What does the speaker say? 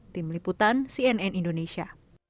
tim liputan cnn indonesia